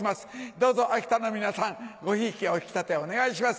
どうぞ秋田の皆さんごひいきお引き立てお願いします。